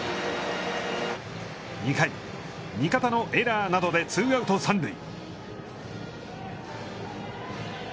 ２回、味方のエラーなどでツーアウト、三塁。